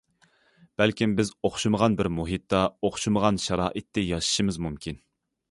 بەلكىم بىز ئوخشىمىغان بىر مۇھىتتا، ئوخشىمىغان شارائىتتا ياشىشىمىز مۇمكىن.